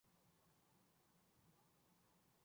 宋朝第十三代二月廿二戊辰出生。